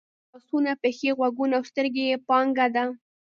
یعنې لاسونه، پښې، غوږونه او سترګې یې پانګه ده.